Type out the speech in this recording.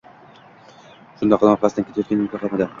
Shundoqqina orqasidan ketayotganimni payqamadi.